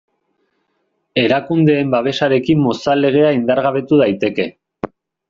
Erakundeen babesarekin Mozal Legea indargabetu daiteke.